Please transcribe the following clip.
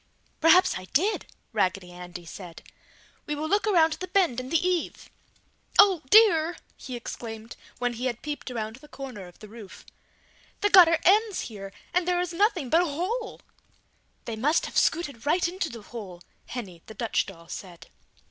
"Perhaps I did!" Raggedy Andy said, "We will look around the bend in the eave!" "Oh dear!" he exclaimed when he had peeped around the corner of the roof, "the gutter ends here and there is nothing but a hole!" "They must have scooted right into the hole," Henny, the Dutch doll said.